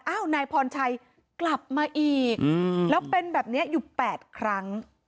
นายพรชัยกลับมาอีกแล้วเป็นแบบนี้อยู่๘ครั้ง